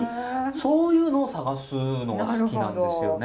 そういうのを探すのが好きなんですよね。